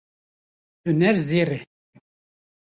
Huner zêr e.